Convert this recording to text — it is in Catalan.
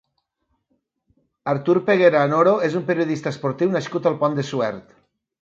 Artur Peguera Anoro és un periodista esportiu nascut al Pont de Suert.